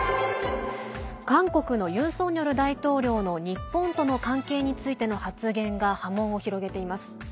韓国のユン・ソンニョル大統領の日本との関係についての発言が波紋を広げています。